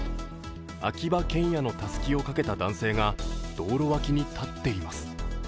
秋葉けんやのたすきをかけた男性が道路脇に立っています。